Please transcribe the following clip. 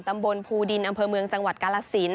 ตำบลภูดินอำเภอเมืองจังหวัดกาลสิน